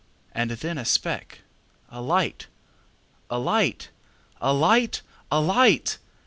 And then a speck—A light! A light! A light! A light!